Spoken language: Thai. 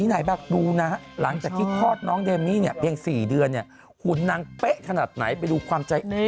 น่ารักมากเลยชอบมากเลยมีลูกใกล้ไหมคะ